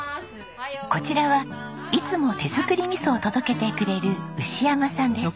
こちらはいつも手作りみそを届けてくれる牛山さんです。